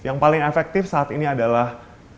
yang paling efektif saat ini adalah